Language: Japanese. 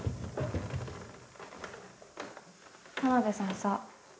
田辺さんさ